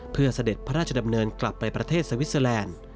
เพื่อเสด็จพระราชดำเนินกลับไปประเทศสวิสเตอร์แลนด์